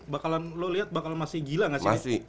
bakalan lu liat bakal masih gila gak sih